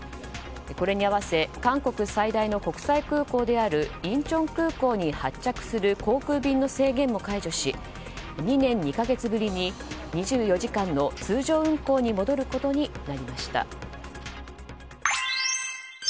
これに合わせ韓国最大の国際空港であるインチョン空港に発着する航空便の制限も解除し２年２か月ぶりに２４時間の通常運航に戻ることになりました。